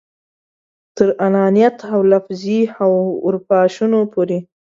تر انانیت او لفظي اورپاشنو پورې.